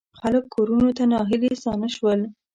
خلک کورونو ته ناهیلي ستانه شول.